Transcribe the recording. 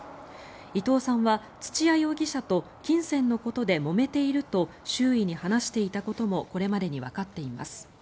伊藤さんは土屋容疑者と金銭のことでもめていると周囲に話していたこともこれまでにわかっています。